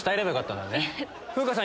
風花さん